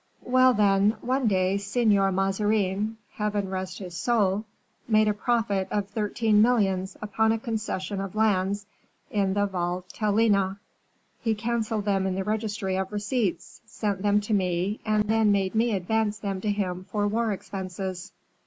"Well, then, one day Signor Mazarin, Heaven rest his soul! made a profit of thirteen millions upon a concession of lands in the Valtelline; he canceled them in the registry of receipts, sent them to me, and then made me advance them to him for war expenses."